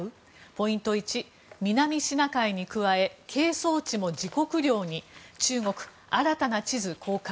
ポイント１南シナ海に加え係争地も自国領に中国、新たな地図公開。